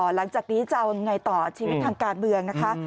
หลังจากนี้จะเอายังไงต่อชีวิตทางการเมืองนะคะ